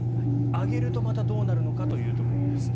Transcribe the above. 上げるとまたどうなるのかというところです。